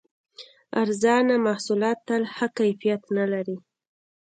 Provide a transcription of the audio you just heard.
ارزانه محصولات تل ښه کیفیت نه لري.